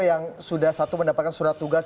yang sudah satu mendapatkan surat tugas